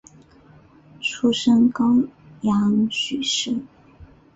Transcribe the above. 出身高阳许氏。